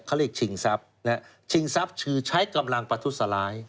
เขาเรียกชิงทรัพย์ชิงทรัพย์คือใช้กำลังประทุษร้าย